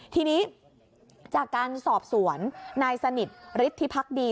ทีนี้จากการสอบสวนนายสนิทฤทธิพักดี